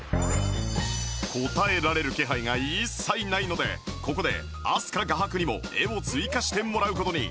答えられる気配が一切ないのでここで飛鳥画伯にも絵を追加してもらう事に